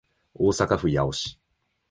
大阪府八尾市